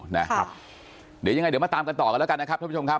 นะครับเดี๋ยวยังไงเดี๋ยวมาตามกันต่อกันแล้วกันนะครับท่านผู้ชมครับ